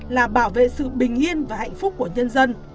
là bảo vệ sự bình yên và hạnh phúc của nhân dân